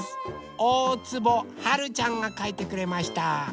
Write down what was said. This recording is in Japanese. おおつぼはるちゃんがかいてくれました。